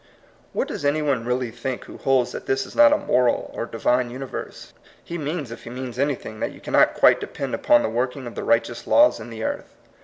What does any one really think who holds that this is not a moral or Divine universe? He means, if he means anything, that you cannot quite depend upon the working of the righteous laws in this earth.